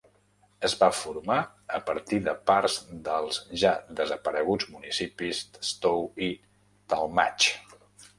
Es va formar a partir de parts dels ja desapareguts municipis de Stow i Tallmadge.